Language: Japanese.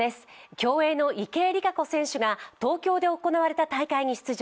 競泳の池江璃花子選手が東京で行われた大会に出場。